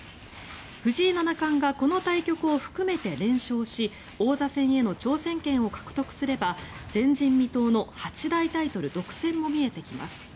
藤井七冠がこの対局を含めて連勝し王座戦への挑戦権を獲得すれば前人未到の八大タイトル独占も見えてきます。